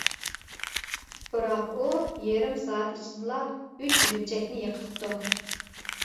بىراق ئۇ يېرىم سائەت ئىچىدىلا ئۈچ لۈكچەكنى يىقىتىپتۇ.